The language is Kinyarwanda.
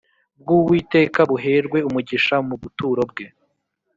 bw Uwiteka buherwe umugisha mu buturo bwe